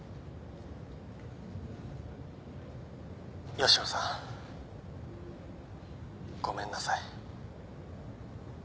吉野さんごめんなさい。